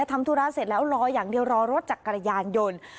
ทำธุระเสร็จแล้วรออย่างเดียวรอรถจักรยานยนต์